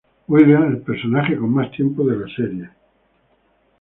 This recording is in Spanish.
William el personaje con más tiempo en la serie.